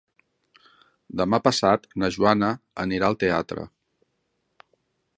Demà passat na Joana anirà al teatre.